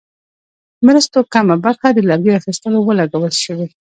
مرستو کمه برخه د لرګیو اخیستلو ولګول شوې.